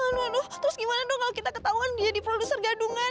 aduh terus gimana dong kalau kita ketahuan dia jadi produser gadungan